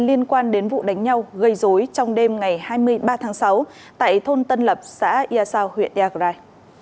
liên quan đến vụ đánh nhau gây rối trong đêm ngày hai mươi ba tháng sáu tại thôn tân lập xã yasao huyện yaka rai